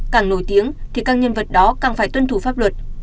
càng nổi tiếng thì các nhân vật đó càng phải tuân thủ pháp luật